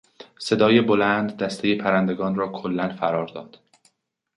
صدای بلند دستهی پرندگان را کلا فرار داد.